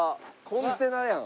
コンテナやん。